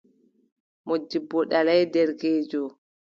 Moodibbo ɗalaay derkeejo.